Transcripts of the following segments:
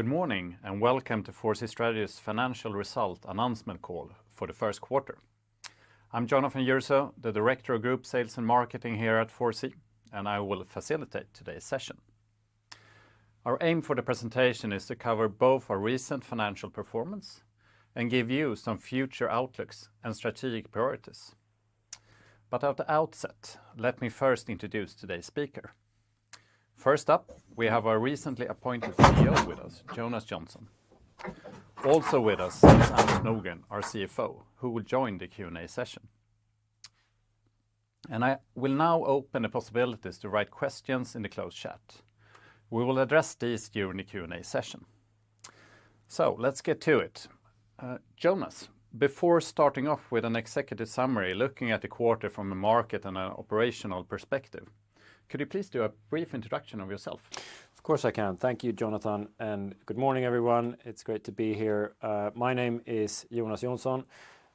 Good morning, and welcome to 4C Strategies financial result announcement call for the first quarter. I'm Jonatan Jürisoo, the director of group sales and marketing here at 4C, and I will facilitate today's session. Our aim for the presentation is to cover both our recent financial performance and give you some future outlooks and strategic priorities. At the outset, let me first introduce today's speaker. First up, we have our recently appointed CEO with us, Jonas Jonsson. Also with us is Anders Nordgren, our CFO, who will join the Q&A session. I will now open the possibilities to write questions in the closed chat. We will address these during the Q&A session. Let's get to it. Jonas, before starting off with an executive summary, looking at the quarter from a market and an operational perspective, could you please do a brief introduction of yourself? Of course, I can. Thank you, Jonatan, and good morning, everyone. It's great to be here. My name is Jonas Jonsson,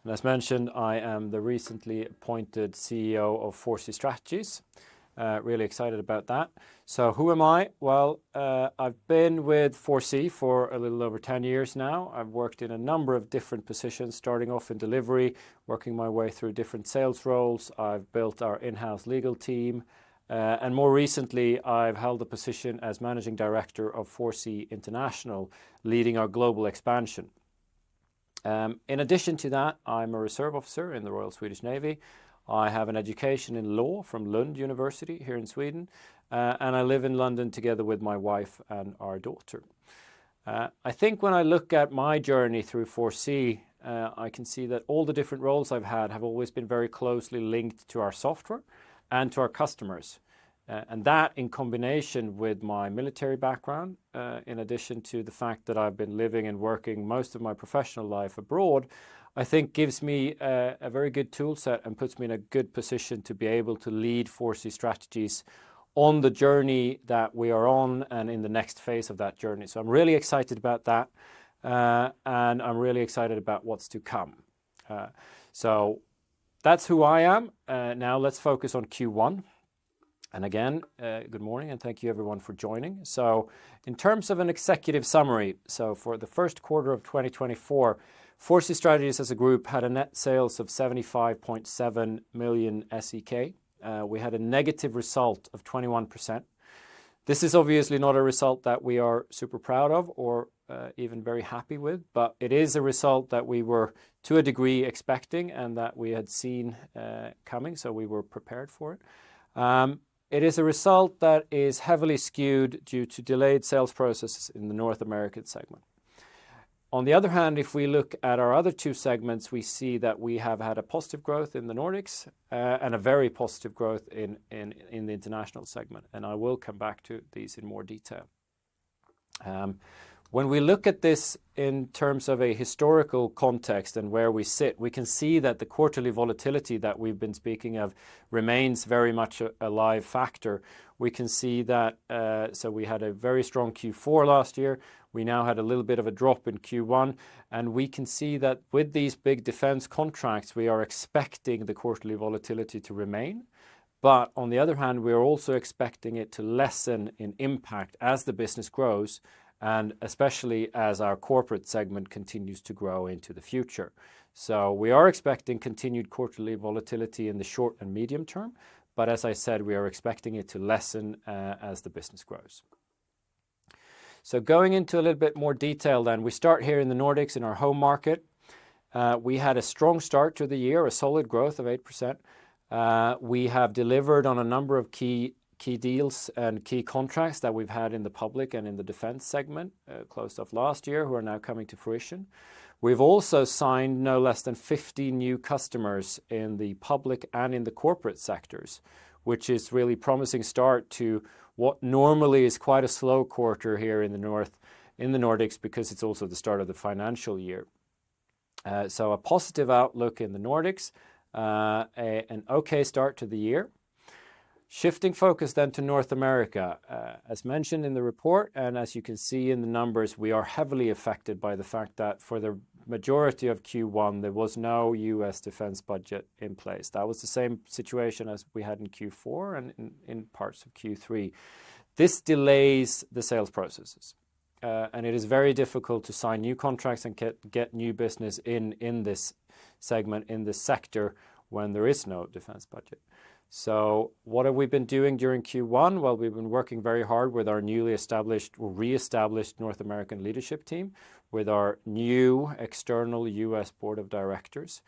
and as mentioned, I am the recently appointed CEO of 4C Strategies. Really excited about that. So who am I? Well, I've been with 4C for a little over 10 years now. I've worked in a number of different positions, starting off in delivery, working my way through different sales roles. I've built our in-house legal team, and more recently, I've held the position as managing director of 4C International, leading our global expansion. In addition to that, I'm a reserve officer in the Royal Swedish Navy. I have an education in law from Lund University here in Sweden, and I live in London together with my wife and our daughter. I think when I look at my journey through 4C, I can see that all the different roles I've had have always been very closely linked to our software and to our customers. And that, in combination with my military background, in addition to the fact that I've been living and working most of my professional life abroad, I think gives me a very good tool set and puts me in a good position to be able to lead 4C Strategies on the journey that we are on and in the next phase of that journey. So I'm really excited about that, and I'm really excited about what's to come. So that's who I am. Now let's focus on Q1. And again, good morning, and thank you everyone for joining. In terms of an executive summary, for the first quarter of 2024, 4C Strategies as a group had net sales of 75.7 million SEK. We had a negative result of 21%. This is obviously not a result that we are super proud of or even very happy with, but it is a result that we were, to a degree, expecting and that we had seen coming, so we were prepared for it. It is a result that is heavily skewed due to delayed sales processes in the North American segment. On the other hand, if we look at our other two segments, we see that we have had a positive growth in the Nordics and a very positive growth in the international segment, and I will come back to these in more detail. When we look at this in terms of a historical context and where we sit, we can see that the quarterly volatility that we've been speaking of remains very much a live factor. We can see that. So we had a very strong Q4 last year. We now had a little bit of a drop in Q1, and we can see that with these big defense contracts, we are expecting the quarterly volatility to remain. But on the other hand, we are also expecting it to lessen in impact as the business grows, and especially as our corporate segment continues to grow into the future. So we are expecting continued quarterly volatility in the short and medium term, but as I said, we are expecting it to lessen as the business grows. So going into a little bit more detail then, we start here in the Nordics, in our home market. We had a strong start to the year, a solid growth of 8%. We have delivered on a number of key, key deals and key contracts that we've had in the public and in the defense segment, close of last year, who are now coming to fruition. We've also signed no less than 50 new customers in the public and in the corporate sectors, which is really promising start to what normally is quite a slow quarter here in the north, in the Nordics, because it's also the start of the financial year. So a positive outlook in the Nordics, an okay start to the year. Shifting focus then to North America, as mentioned in the report, and as you can see in the numbers, we are heavily affected by the fact that for the majority of Q1, there was no U.S. defense budget in place. That was the same situation as we had in Q4 and in parts of Q3. This delays the sales processes, and it is very difficult to sign new contracts and get new business in this segment, in this sector, when there is no defense budget. So what have we been doing during Q1? Well, we've been working very hard with our newly established-reestablished North American leadership team, with our new external U.S. board of directors.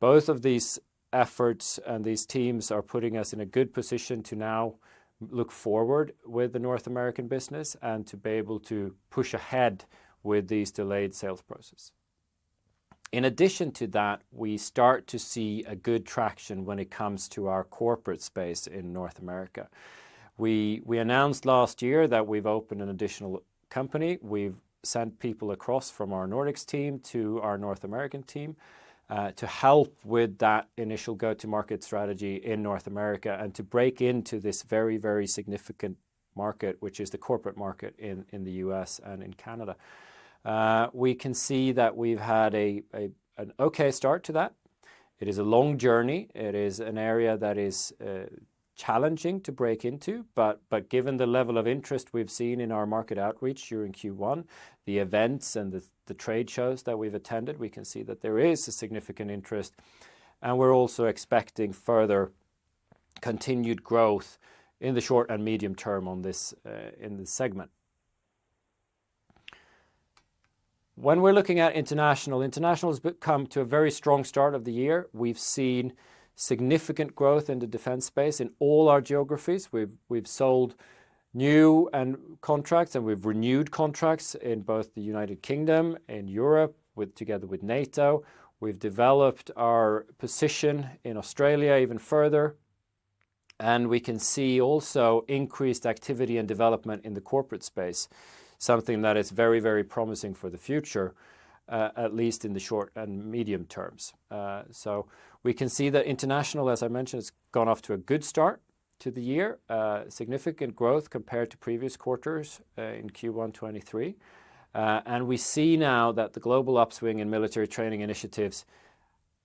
Both of these efforts and these teams are putting us in a good position to now look forward with the North American business and to be able to push ahead with these delayed sales process. In addition to that, we start to see a good traction when it comes to our corporate space in North America. We announced last year that we've opened an additional company. We've sent people across from our Nordics team to our North American team to help with that initial go-to-market strategy in North America and to break into this very, very significant market, which is the corporate market in the U.S. and in Canada. We can see that we've had an okay start to that. It is a long journey. It is an area that is challenging to break into, but given the level of interest we've seen in our market outreach here in Q1, the events and the trade shows that we've attended, we can see that there is a significant interest, and we're also expecting further continued growth in the short and medium term on this in the segment. When we're looking at international, international has become a very strong start of the year. We've seen significant growth in the defense space in all our geographies. We've sold new and contracts, and we've renewed contracts in both the United Kingdom and Europe, together with NATO. We've developed our position in Australia even further, and we can see also increased activity and development in the corporate space, something that is very, very promising for the future, at least in the short and medium terms. So we can see that international, as I mentioned, has gone off to a good start to the year. Significant growth compared to previous quarters, in Q1 2023. And we see now that the global upswing in military training initiatives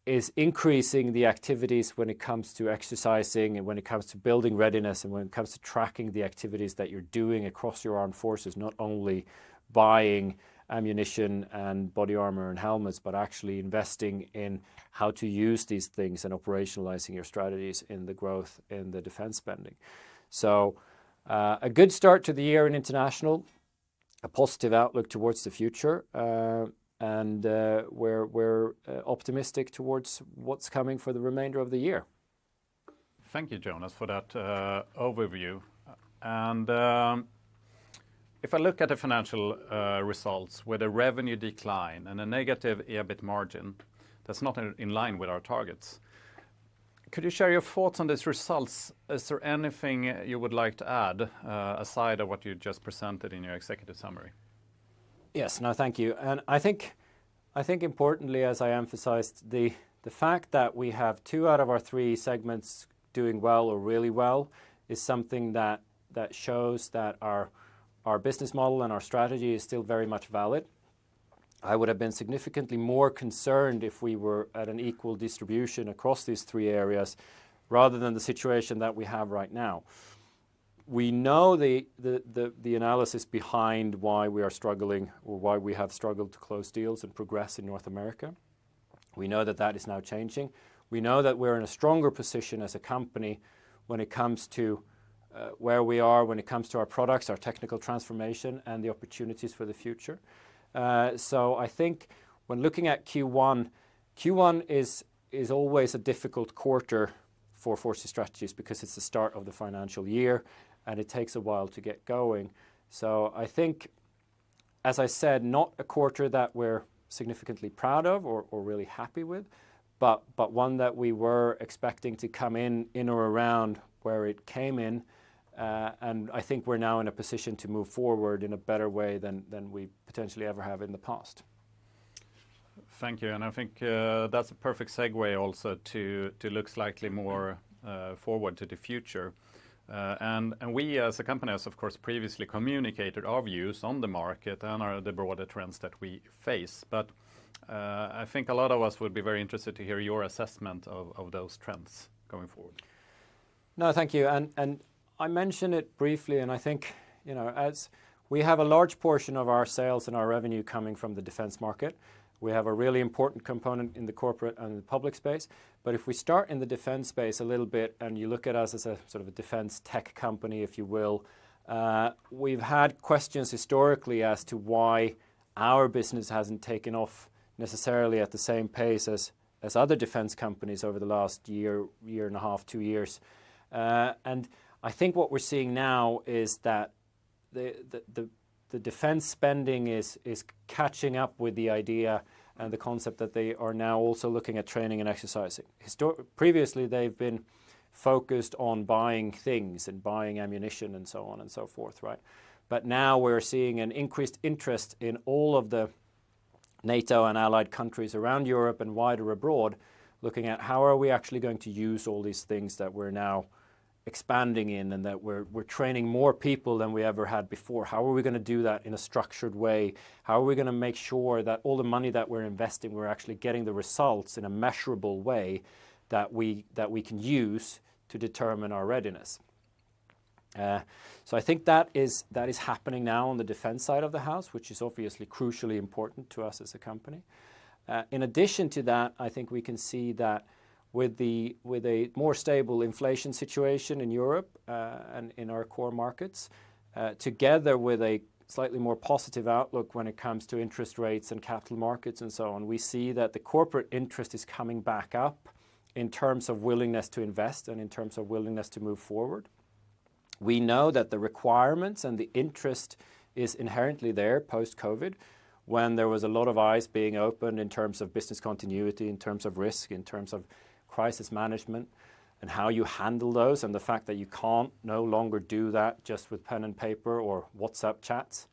is increasing the activities when it comes to exercising and when it comes to building readiness and when it comes to tracking the activities that you're doing across your armed forces, not only buying ammunition and body armor and helmets, but actually investing in how to use these things and operationalizing your strategies in the growth in the defense spending. So, a good start to the year in international, a positive outlook towards the future. And we're optimistic towards what's coming for the remainder of the year. Thank you, Jonas, for that overview. And if I look at the financial results with a revenue decline and a negative EBIT margin, that's not in line with our targets. Could you share your thoughts on these results? Is there anything you would like to add aside from what you just presented in your executive summary? Yes. No, thank you. And I think importantly, as I emphasized, the fact that we have two out of our three segments doing well or really well, is something that shows that our business model and our strategy is still very much valid. I would have been significantly more concerned if we were at an equal distribution across these three areas, rather than the situation that we have right now. We know the analysis behind why we are struggling or why we have struggled to close deals and progress in North America. We know that is now changing. We know that we're in a stronger position as a company when it comes to where we are, when it comes to our products, our technical transformation, and the opportunities for the future. So I think when looking at Q1, Q1 is always a difficult quarter for 4C Strategies, because it's the start of the financial year, and it takes a while to get going. So I think, as I said, not a quarter that we're significantly proud of or really happy with, but one that we were expecting to come in or around where it came in. And I think we're now in a position to move forward in a better way than we potentially ever have in the past. Thank you, and I think that's a perfect segue also to to look slightly more forward to the future. And we as a company has of course previously communicated our views on the market and on the broader trends that we face. But I think a lot of us would be very interested to hear your assessment of those trends going forward. No, thank you. And I mentioned it briefly, and I think, you know, as we have a large portion of our sales and our revenue coming from the defense market, we have a really important component in the corporate and the public space. But if we start in the defense space a little bit, and you look at us as a sort of a defense tech company, if you will, we've had questions historically as to why our business hasn't taken off necessarily at the same pace as other defense companies over the last year, year and a half, two years. And I think what we're seeing now is that the defense spending is catching up with the idea and the concept that they are now also looking at training and exercising. Previously, they've been focused on buying things and buying ammunition and so on and so forth, right? But now we're seeing an increased interest in all of the NATO and allied countries around Europe and wider abroad, looking at how are we actually going to use all these things that we're now expanding in, and that we're, we're training more people than we ever had before? How are we gonna do that in a structured way? How are we gonna make sure that all the money that we're investing, we're actually getting the results in a measurable way that we, that we can use to determine our readiness? So I think that is, that is happening now on the defense side of the house, which is obviously crucially important to us as a company. In addition to that, I think we can see that with a more stable inflation situation in Europe, and in our core markets, together with a slightly more positive outlook when it comes to interest rates and capital markets and so on, we see that the corporate interest is coming back up in terms of willingness to invest and in terms of willingness to move forward. We know that the requirements and the interest is inherently there post-COVID, when there was a lot of eyes being opened in terms of business continuity, in terms of risk, in terms of crisis management, and how you handle those, and the fact that you can't no longer do that just with pen and paper or WhatsApp chats.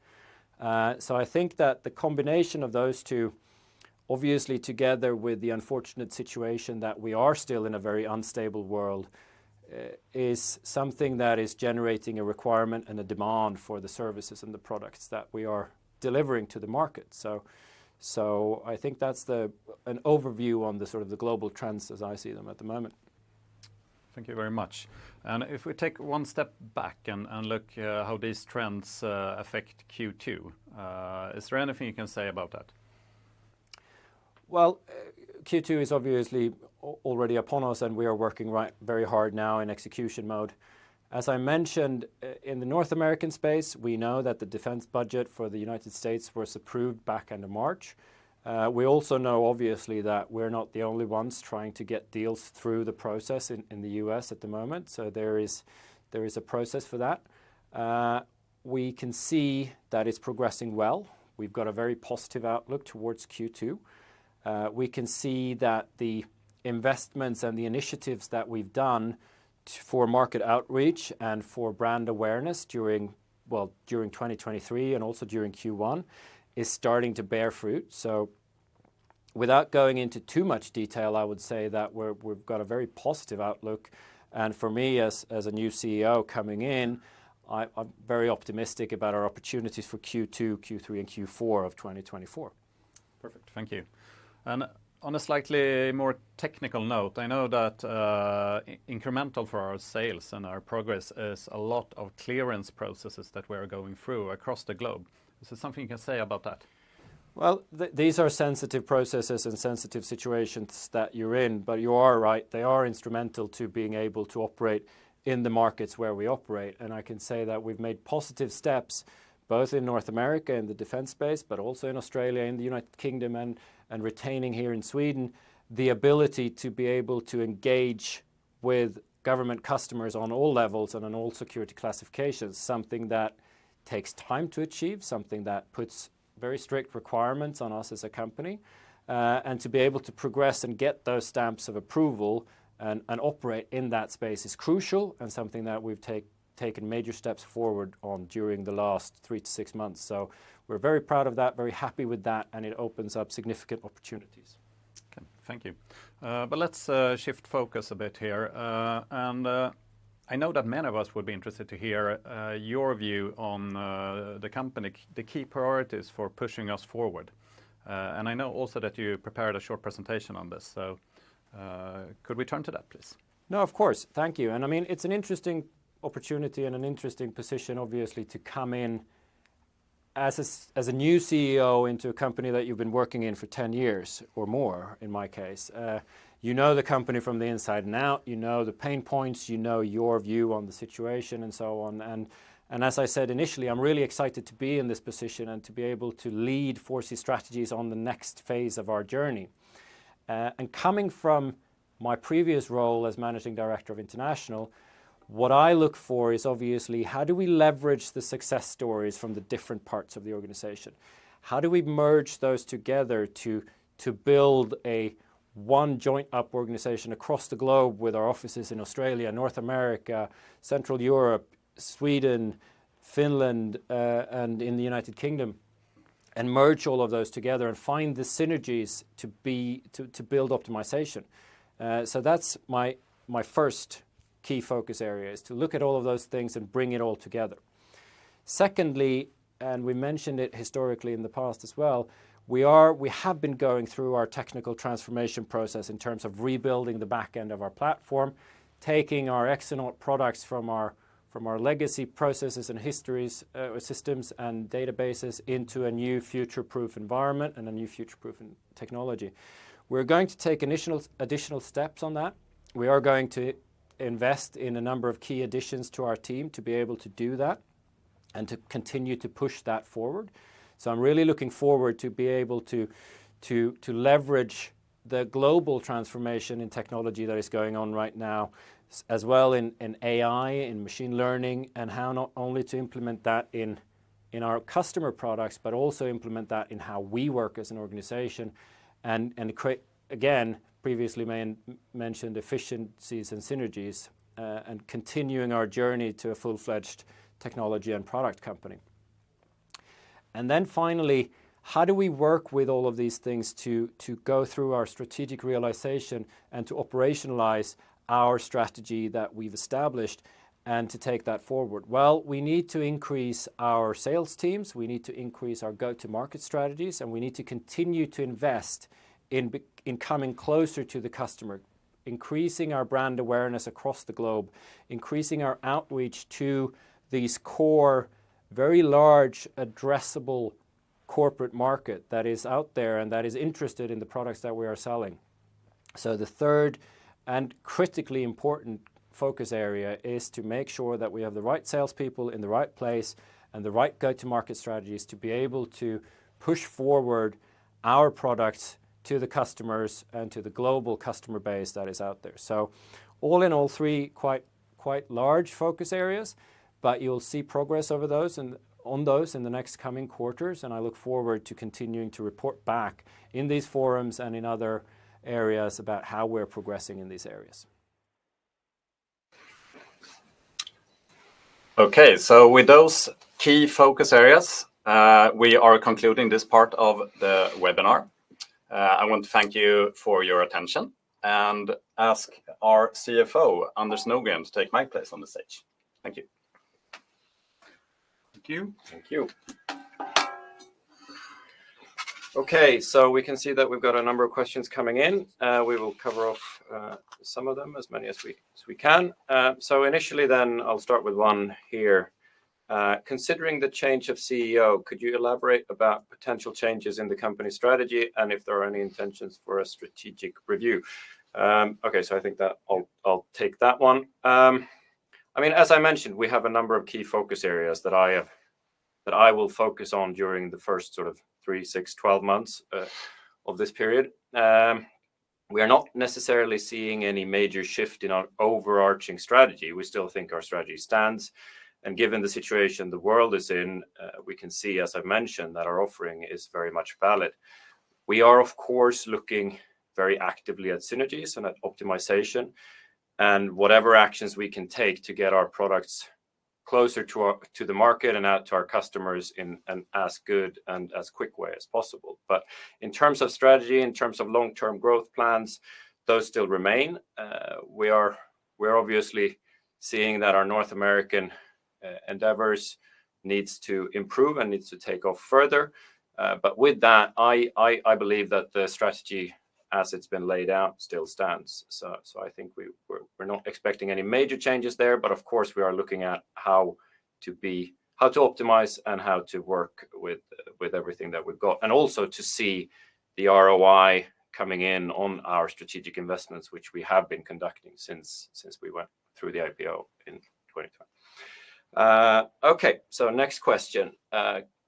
So, I think that the combination of those two, obviously together with the unfortunate situation that we are still in a very unstable world, is something that is generating a requirement and a demand for the services and the products that we are delivering to the market. So, I think that's the, an overview on the sort of the global trends as I see them at the moment. Thank you very much. If we take one step back and look how these trends affect Q2, is there anything you can say about that? Well, Q2 is obviously already upon us, and we are working right, very hard now in execution mode. As I mentioned, in the North American space, we know that the defense budget for the United States was approved back end of March. We also know obviously that we're not the only ones trying to get deals through the process in the U.S. at the moment, so there is a process for that. We can see that it's progressing well. We've got a very positive outlook towards Q2. We can see that the investments and the initiatives that we've done for market outreach and for brand awareness during, well, during 2023 and also during Q1, is starting to bear fruit. So without going into too much detail, I would say that we've got a very positive outlook. For me, as a new CEO coming in, I'm very optimistic about our opportunities for Q2, Q3, and Q4 of 2024. Perfect. Thank you. On a slightly more technical note, I know that incremental for our sales and our progress is a lot of clearance processes that we're going through across the globe. Is there something you can say about that? Well, these are sensitive processes and sensitive situations that you're in, but you are right. They are instrumental to being able to operate in the markets where we operate, and I can say that we've made positive steps, both in North America, in the defense space, but also in Australia and the United Kingdom, and retaining here in Sweden, the ability to be able to engage with government customers on all levels and on all security classifications, something that takes time to achieve, something that puts very strict requirements on us as a company. And to be able to progress and get those stamps of approval and operate in that space is crucial and something that we've taken major steps forward on during the last three to six months. So we're very proud of that, very happy with that, and it opens up significant opportunities. Okay, thank you. But let's shift focus a bit here. And I know that many of us would be interested to hear your view on the company, the key priorities for pushing us forward. And I know also that you prepared a short presentation on this, so could we turn to that, please? No, of course. Thank you. I mean, it's an interesting opportunity and an interesting position, obviously, to come in as a new CEO into a company that you've been working in for 10 years, or more in my case. You know the company from the inside and out. You know the pain points, you know your view on the situation, and so on. As I said initially, I'm really excited to be in this position and to be able to lead 4C Strategies on the next phase of our journey. Coming from my previous role as managing director of International, what I look for is obviously, how do we leverage the success stories from the different parts of the organization? How do we merge those together to build a one joint up organization across the globe with our offices in Australia, North America, Central Europe, Sweden, Finland, and in the United Kingdom, and merge all of those together and find the synergies to build optimization? So that's my first key focus area, is to look at all of those things and bring it all together. Secondly, we mentioned it historically in the past as well, we have been going through our technical transformation process in terms of rebuilding the back end of our platform, taking our excellent products from our legacy processes and histories, systems and databases into a new future-proof environment and a new future-proof technology. We're going to take initial additional steps on that. We are going to invest in a number of key additions to our team to be able to do that and to continue to push that forward. So I'm really looking forward to be able to leverage the global transformation in technology that is going on right now, as well in AI, in machine learning, and how not only to implement that in our customer products, but also implement that in how we work as an organization, and create, again, previously mentioned efficiencies and synergies, and continuing our journey to a full-fledged technology and product company. And then finally, how do we work with all of these things to go through our strategic realization and to operationalize our strategy that we've established and to take that forward? Well, we need to increase our sales teams, we need to increase our go-to-market strategies, and we need to continue to invest in coming closer to the customer, increasing our brand awareness across the globe, increasing our outreach to these core, very large, addressable corporate market that is out there and that is interested in the products that we are selling. So the third and critically important focus area is to make sure that we have the right salespeople in the right place and the right go-to-market strategies to be able to push forward our products to the customers and to the global customer base that is out there. So all in all, three quite, quite large focus areas, but you'll see progress over those and... on those in the next coming quarters, and I look forward to continuing to report back in these forums and in other areas about how we're progressing in these areas.... Okay, so with those key focus areas, we are concluding this part of the webinar. I want to thank you for your attention and ask our CFO, Anders Nordgren, to take my place on the stage. Thank you. Thank you. Thank you. Okay, so we can see that we've got a number of questions coming in. We will cover off some of them, as many as we can. So initially, then I'll start with one here. "Considering the change of CEO, could you elaborate about potential changes in the company strategy, and if there are any intentions for a strategic review?" Okay, so I think that I'll, I'll take that one. I mean, as I mentioned, we have a number of key focus areas that I have... that I will focus on during the first sort of three, six, 12 months of this period. We are not necessarily seeing any major shift in our overarching strategy. We still think our strategy stands, and given the situation the world is in, we can see, as I've mentioned, that our offering is very much valid. We are, of course, looking very actively at synergies and at optimization, and whatever actions we can take to get our products closer to our, to the market and out to our customers in an as good and as quick way as possible. But in terms of strategy, in terms of long-term growth plans, those still remain. We're obviously seeing that our North American endeavors needs to improve and needs to take off further. But with that, I believe that the strategy as it's been laid out, still stands. So, I think we're not expecting any major changes there, but of course, we are looking at how to optimize and how to work with everything that we've got, and also to see the ROI coming in on our strategic investments, which we have been conducting since we went through the IPO in 2020 time. Okay, so next question.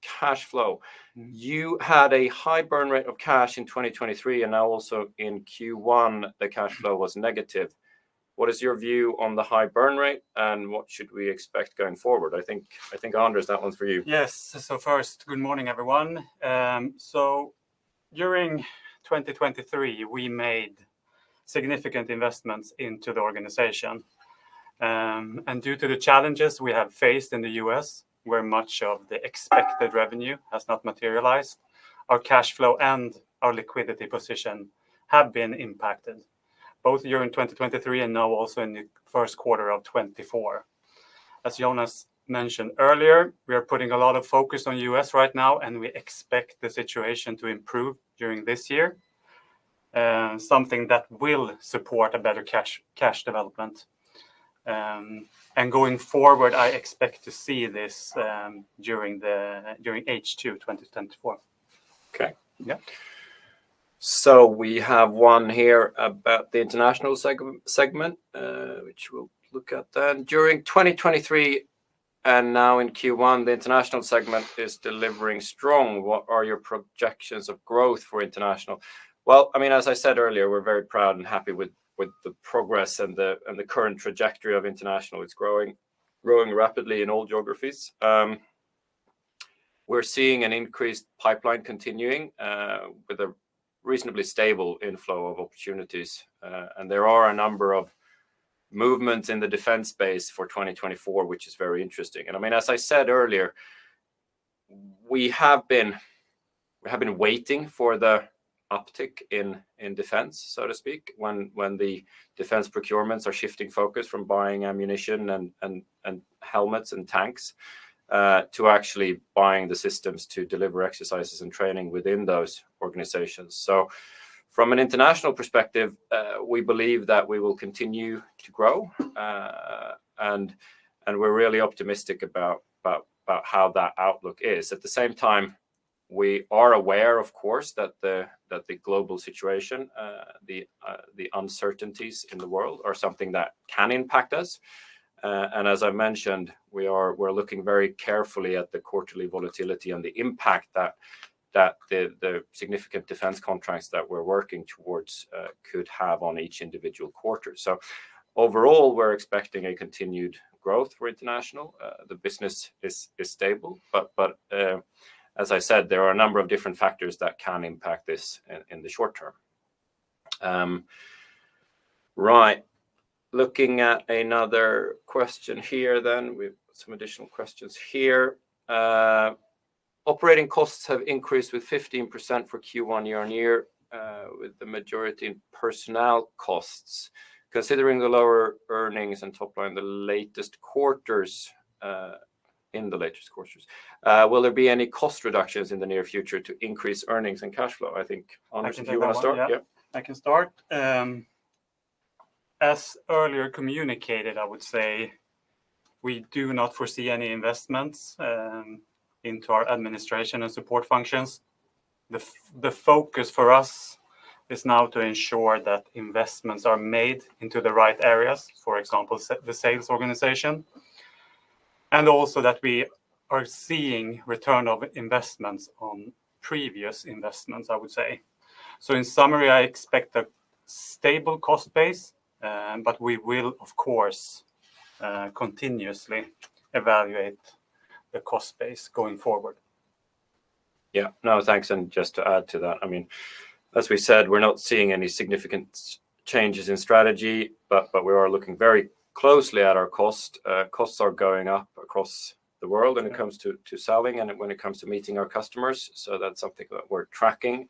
Cash flow. "You had a high burn rate of cash in 2023, and now also in Q1, the cash flow was negative. What is your view on the high burn rate, and what should we expect going forward?" I think, Anders, that one's for you. Yes. So first, good morning, everyone. So during 2023, we made significant investments into the organization. And due to the challenges we have faced in the U.S., where much of the expected revenue has not materialized, our cash flow and our liquidity position have been impacted, both during 2023 and now also in the first quarter of 2024. As Jonas mentioned earlier, we are putting a lot of focus on U.S. right now, and we expect the situation to improve during this year, something that will support a better cash development. And going forward, I expect to see this during H2 2024. Okay. Yeah. So we have one here about the international segment, which we'll look at then. "During 2023, and now in Q1, the international segment is delivering strong. What are your projections of growth for international?" Well, I mean, as I said earlier, we're very proud and happy with the progress and the current trajectory of international. It's growing rapidly in all geographies. We're seeing an increased pipeline continuing with a reasonably stable inflow of opportunities, and there are a number of movements in the defense space for 2024, which is very interesting. And I mean, as I said earlier, we have been waiting for the uptick in defense, so to speak, when the defense procurements are shifting focus from buying ammunition and helmets and tanks to actually buying the systems to deliver exercises and training within those organizations. So from an international perspective, we believe that we will continue to grow, and we're really optimistic about how that outlook is. At the same time, we are aware, of course, that the global situation, the uncertainties in the world are something that can impact us. And as I mentioned, we're looking very carefully at the quarterly volatility and the impact that the significant defense contracts that we're working towards could have on each individual quarter. So overall, we're expecting a continued growth for international. The business is stable, but as I said, there are a number of different factors that can impact this in the short term. Right. Looking at another question here then, we've some additional questions here. "Operating costs have increased with 15% for Q1 year-on-year, with the majority in personnel costs. Considering the lower earnings and top line, the latest quarters, in the latest quarters, will there be any cost reductions in the near future to increase earnings and cash flow?" I think, Anders, do you wanna start? I can start, yeah. Yeah. I can start. As earlier communicated, I would say, we do not foresee any investments into our administration and support functions. The focus for us is now to ensure that investments are made into the right areas, for example, the sales organization, and also that we are seeing return of investments on previous investments, I would say. So in summary, I expect a stable cost base, but we will, of course, continuously evaluate the cost base going forward.... Yeah. No, thanks, and just to add to that, I mean, as we said, we're not seeing any significant changes in strategy, but, but we are looking very closely at our cost. Costs are going up across the world- Yeah. -when it comes to, to selling and when it comes to meeting our customers, so that's something that we're tracking.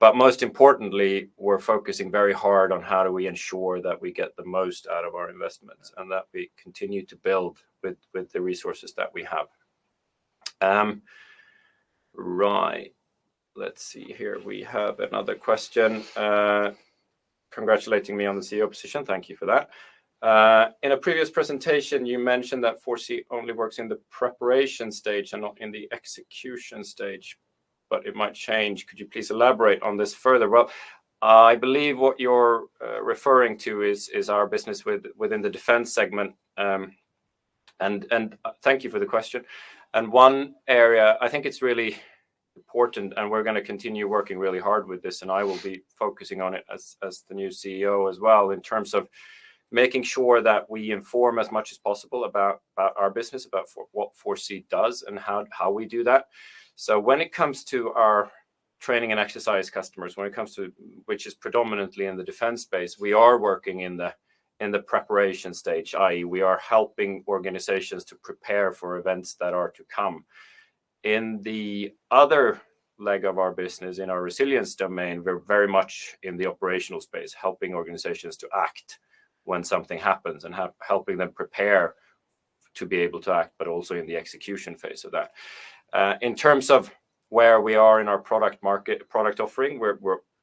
But most importantly, we're focusing very hard on how do we ensure that we get the most out of our investments- Yeah. -and that we continue to build with the resources that we have. Right. Let's see here. We have another question, congratulating me on the CEO position. Thank you for that. "In a previous presentation, you mentioned that Exonaut only works in the preparation stage and not in the execution stage, but it might change. Could you please elaborate on this further?" Well, I believe what you're referring to is our business within the defense segment. And thank you for the question. One area... I think it's really important, and we're gonna continue working really hard with this, and I will be focusing on it as the new CEO as well, in terms of making sure that we inform as much as possible about our business, about what Exonaut does and how we do that. So when it comes to our training and exercise customers, which is predominantly in the defense space, we are working in the preparation stage, i.e., we are helping organizations to prepare for events that are to come. In the other leg of our business, in our resilience domain, we're very much in the operational space, helping organizations to act when something happens, and helping them prepare to be able to act, but also in the execution phase of that. In terms of where we are in our product market, product offering, we're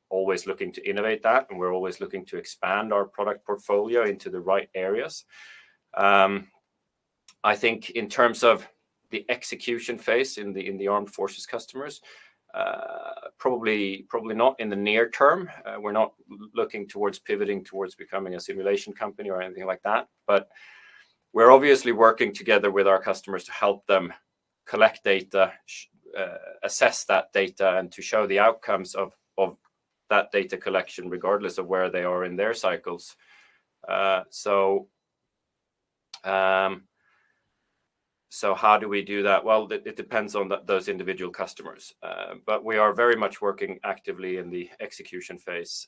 always looking to innovate that, and we're always looking to expand our product portfolio into the right areas. I think in terms of the execution phase in the armed forces customers, probably, probably not in the near term. We're not looking towards pivoting towards becoming a simulation company or anything like that. But we're obviously working together with our customers to help them collect data, assess that data, and to show the outcomes of that data collection, regardless of where they are in their cycles. So how do we do that? Well, it depends on those individual customers. But we are very much working actively in the execution phase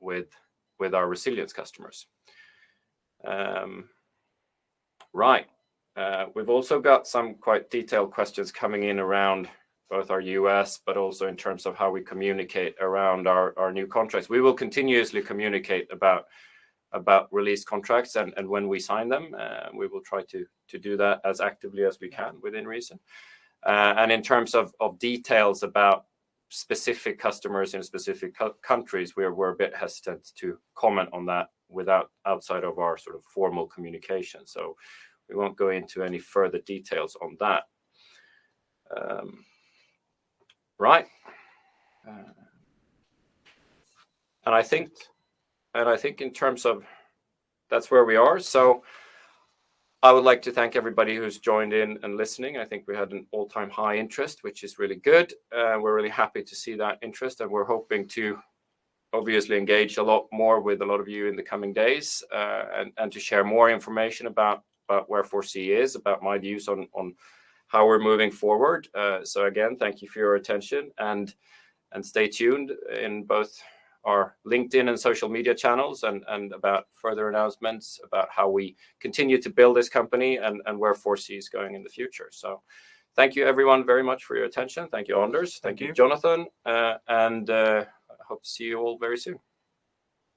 with our resilience customers. Right. We've also got some quite detailed questions coming in around both our U.S., but also in terms of how we communicate around our new contracts. We will continuously communicate about released contracts and when we sign them. We will try to do that as actively as we can, within reason. And in terms of details about specific customers in specific countries, we're a bit hesitant to comment on that without outside of our sort of formal communication. So we won't go into any further details on that. Right. And I think in terms of... That's where we are, so I would like to thank everybody who's joined in and listening. I think we had an all-time high interest, which is really good, and we're really happy to see that interest. And we're hoping to obviously engage a lot more with a lot of you in the coming days, and to share more information about where Exonaut is, about my views on how we're moving forward. So again, thank you for your attention, and stay tuned in both our LinkedIn and social media channels, and about further announcements about how we continue to build this company and where Exonaut is going in the future. Thank you everyone very much for your attention. Thank you, Anders. Thank you. Thank you, Jonatan. I hope to see you all very soon.